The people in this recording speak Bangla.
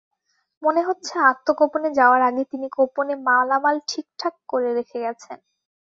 মনে হচ্ছে, আত্মগোপনে যাওয়ার আগে তিনি গোপনে মালামাল ঠিকঠাক করে রেখে গেছেন।